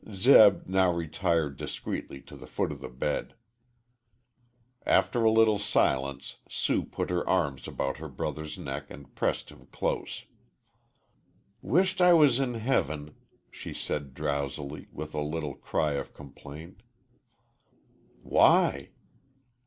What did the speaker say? Zeb now retired discreetly to the foot of the bed. After a little silence Sue put her arms about her brother's neck and pressed him close. "Wisht I was in heaven," she said, drowsily, with a little cry of complaint. "Why?"